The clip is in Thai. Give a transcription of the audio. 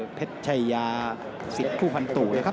โอ้โหแดงโชว์อีกเลยเดี๋ยวดูผู้ดอลก่อน